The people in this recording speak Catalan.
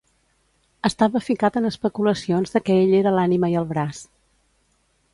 Estava ficat en especulacions de què ell era l'ànima i el braç.